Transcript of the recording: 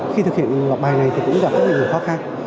khi thực hiện bài này thì cũng gặp rất nhiều khó khăn